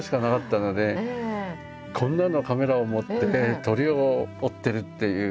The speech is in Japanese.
こんなのカメラを持って鳥を追ってるっていうのがね